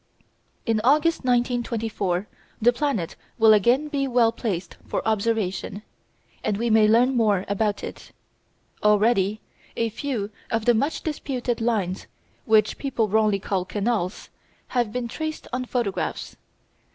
In August, 1924, the planet will again be well placed for observation, and we may learn more about it. Already a few of the much disputed lines, which people wrongly call "canals," have been traced on photographs.